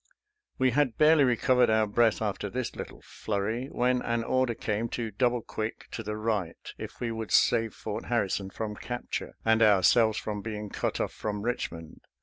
We had barely recovered our breath after this little flurry, when an order came to double quick to the right if we would save Fort Harri son from capture, and ourselves from being cut off from Richmond.